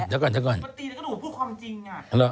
ตีแล้วก็หนูพูดความจริง